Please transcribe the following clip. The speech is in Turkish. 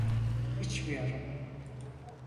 İçmiyorum.